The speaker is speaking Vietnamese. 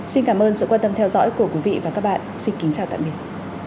xin cảm ơn sự quan tâm theo dõi của quý vị và các bạn xin kính chào tạm biệt